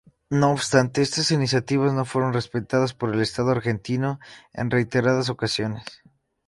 No obstante, estas iniciativas no fueron respetadas por el Estado argentino en reiteradas ocasiones.